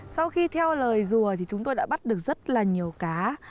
sau khi theo lời rùa thì chúng tôi đã bắt được rất là nhiều cá